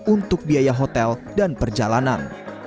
untuk biaya hotel dan perjalanan